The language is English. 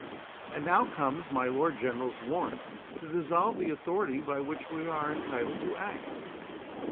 And now comes my Lord General's warrant to dissolve the authority by which we are entitled to act.